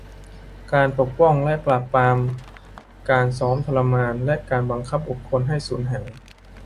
การป้องกันและปราบปรามการซ้อมทรมานและการบังคับบุคคลให้สูญหาย